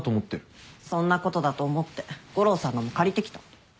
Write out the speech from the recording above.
そんなことだと思って悟郎さんのも借りてきた。